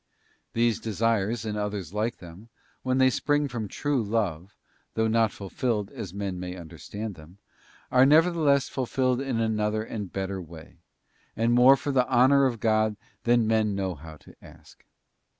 These desires, and others like them, when they spring from true love, though not fulfilled as men may understand them, are nevertheless fulfilled in another and better way, and more for the honour of God than men know how to ask.